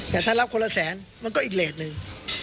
แต่ถ้ารับคนละแสนมันก็อีกเลสหนึ่ง